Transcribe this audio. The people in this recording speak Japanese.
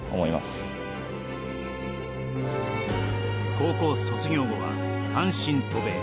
高校卒業後は単身渡米。